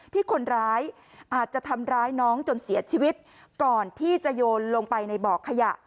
ที่คนร้ายอาจจะทำร้ายน้องจนเสียชีวิตก่อนที่จะโยนลงไปในบ่อขยะ